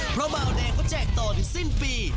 เพราะเบาแดงก็แจกตอนสิ้นปี